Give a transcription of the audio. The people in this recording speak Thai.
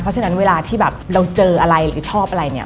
เพราะฉะนั้นเวลาที่เราเจออะไรหรือชอบอะไร